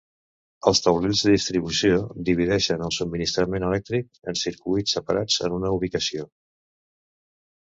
Els taulells de distribució divideixen el subministrament elèctric en circuits separats en una ubicació.